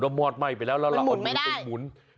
ถ้ามอดไหม้ไปแล้วแล้วเราเอาเนื้อที่ติดหมุน